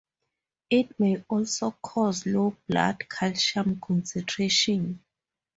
It may also cause low blood calcium concentration.